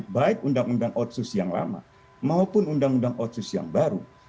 baik undang undang otsus yang lama maupun undang undang otsus yang baru